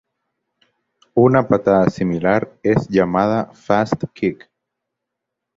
Una patada similar es llamada fast kick.